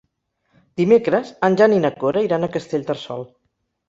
Dimecres en Jan i na Cora iran a Castellterçol.